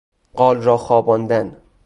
قال را خواباندن